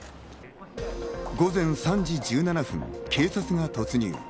午前３時１７分、警察が突入。